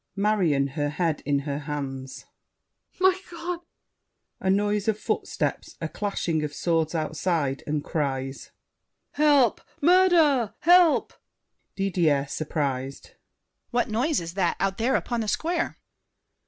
MARION (her head in her hands). My God! [A noise of footsteps, a clashing of swords outside, and cries. VOICE IN THE STREET. Help! Murder! Help! DIDIER (surprised). What noise is that out there upon the square?